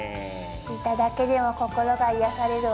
見ただけでも心が癒やされるわ。